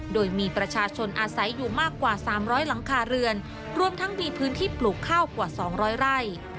โดยมีประชาชนอาศัยอยู่มากกว่า๓๐๐หลังคาเรือนรวมทั้งมีพื้นที่ปลูกข้าวกว่า๒๐๐ไร่